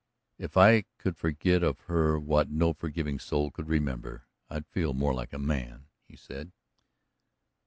"If I could forget of her what no forgiving soul should remember, I'd feel more like a man," he said.